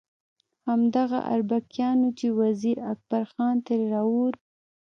همدغه اربکیان وو چې وزیر اکبر خان ترې راووت.